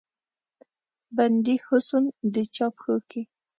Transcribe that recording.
بندي حسن د چا پښو کې